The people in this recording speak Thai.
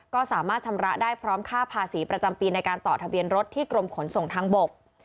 ก็สามารถชำระได้พร้อมค่าภาษีประจำปีในการต่อทะเบียนรถที่กรมขนส่งทางบก